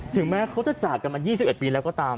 ถึงแม้เขาจะจากกันมา๒๑ปีแล้วก็ตาม